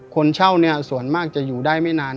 คนเช่าเนี่ยส่วนมากจะอยู่ได้ไม่นาน